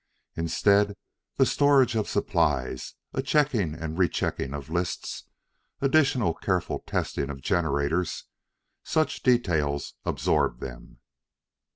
Instead, the storage of supplies, a checking and rechecking of lists, additional careful testing of generators such details absorbed them.